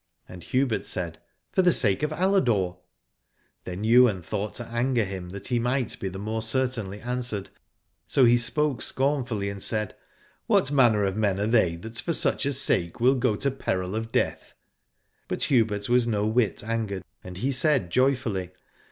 And Hubert said. For the sake of Aladore. Then Ywain thought to anger him that he might be the more certainly answered : so he spoke scorn fully and said. What manner of men are they that for such a sake will go to peril of death ? But Hubert was no whit angered, and he said joyfully.